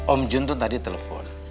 om jun itu tadi telepon